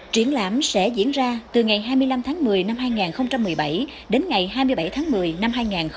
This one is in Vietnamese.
triển lãm sẽ diễn ra từ ngày hai mươi năm tháng một mươi năm hai nghìn một mươi bảy đến ngày hai mươi bảy tháng một mươi năm hai nghìn một mươi chín